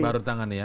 baru ditangani ya